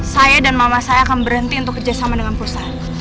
saya dan mama saya akan berhenti untuk kerjasama dengan perusahaan